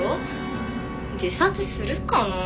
自殺するかなあ？